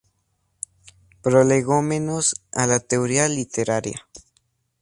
Prolegómenos a la teoría literaria".